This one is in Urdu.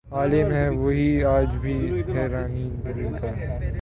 عالم ہے وہی آج بھی حیرانئ دل کا